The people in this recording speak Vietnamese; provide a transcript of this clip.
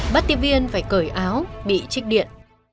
bắt tiếp viên phải cởi áo bị trích điện